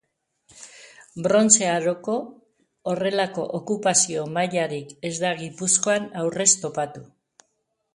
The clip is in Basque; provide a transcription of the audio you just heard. Brontze Aroko horrelako okupazio mailarik ez da Gipuzkoan aurrez topatu.